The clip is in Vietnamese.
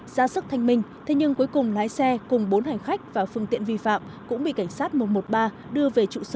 dạ sức thanh minh thế nhưng cuối cùng lái xe cùng bốn hành khách và phương tiện vi phạm cũng bị cảnh sát một trăm một mươi ba đưa về trụ sở công an quận hoàng mai để điều tra làm rõ